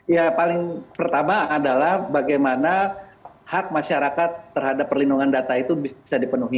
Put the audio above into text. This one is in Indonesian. ya paling pertama adalah bagaimana hak masyarakat terhadap perlindungan data itu bisa dipenuhi